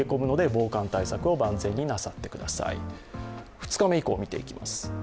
２日目以降見ていきます。